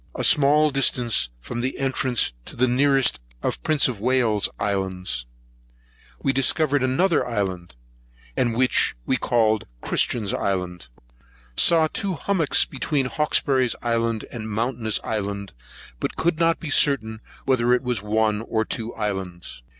a small distance from the nearest of the Prince of Wales's Islands, we discovered another island, and which we called Christian's Island. Saw Two Hummock between Hawkesbury's Island and Mountainous Island; but could not be certain whether it was one or two islands.